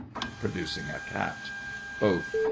(Producing a "cat".) BOTH.